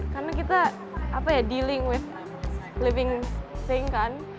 karena kita dealing with living thing kan